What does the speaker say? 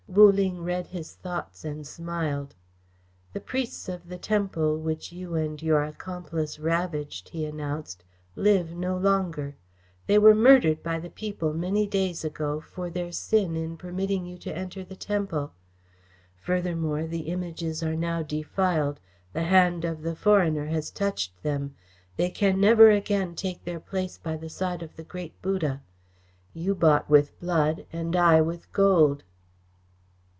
Wu Ling read his thoughts and smiled. "The priests of the temple, which you and your accomplice ravaged," he announced, "live no longer. They were murdered by the people many days ago, for their sin in permitting you to enter the temple. Furthermore, the Images are now defiled. The hand of the foreigner has touched them. They can never again take their place by the side of the Great Buddha. You bought with blood, and I with gold."